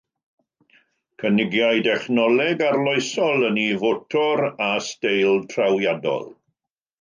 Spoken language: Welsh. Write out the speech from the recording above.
Cynigiai dechnoleg arloesol yn ei fotor a steil trawiadol.